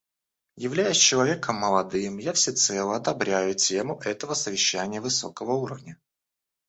Являясь человеком молодым, я всецело одобряю тему этого совещания высокого уровня.